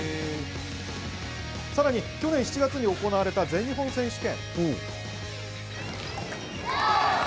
さらに去年７月に行われた全日本選手権。